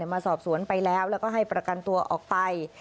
มาสอบสวนไปแล้วแล้วก็ให้ประกันตัวออกไป